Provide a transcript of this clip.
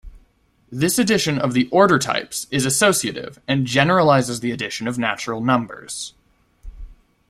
This addition of the order-types is associative and generalizes the addition of natural numbers.